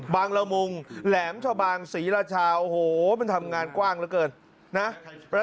ละมุงแหลมชะบางศรีราชาโอ้โหมันทำงานกว้างเหลือเกินนะ